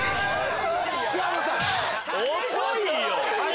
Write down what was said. ⁉遅いよ！